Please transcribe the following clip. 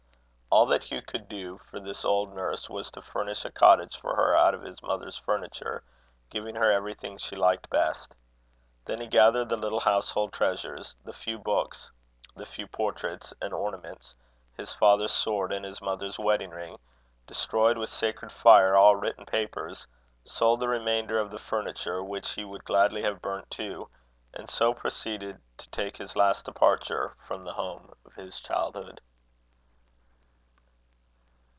All that Hugh could do for this old nurse was to furnish a cottage for her out of his mother's furniture, giving her everything she liked best. Then he gathered the little household treasures, the few books, the few portraits and ornaments, his father's sword, and his mother's wedding ring; destroyed with sacred fire all written papers; sold the remainder of the furniture, which he would gladly have burnt too, and so proceeded to take his last departure from the home of his childhood.